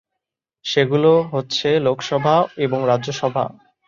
সেগুলো হচ্ছে লোকসভা এবং রাজ্যসভা।